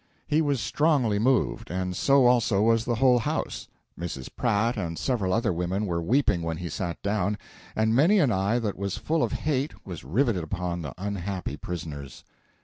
He was strongly moved, and so also was the whole house; Mrs. Pratt and several other women were weeping when he sat down, and many an eye that was full of hate was riveted upon the unhappy prisoners.